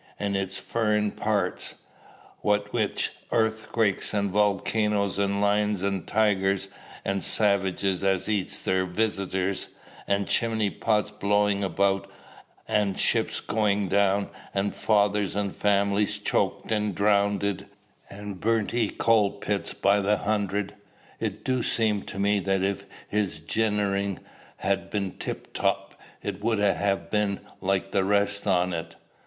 An' i' furren parts, what wi' earthquakes an' wolcanies an' lions an' tigers, an' savages as eats their wisiters, an' chimley pots blowin' about, an' ships goin' down, an' fathers o' families choked an' drownded an' burnt i' coal pits by the hundred, it do seem to me that if his jinerin' hadn't been tip top, it would ha' been but like the rest on it.